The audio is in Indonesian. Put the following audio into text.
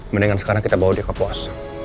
mendingan sekarang kita bawa dia ke pos